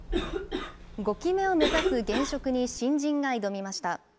５期目を目指す現職に新人が挑みました。